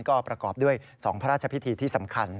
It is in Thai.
ก็ประกอบด้วย๒พระราชพิธีที่สำคัญ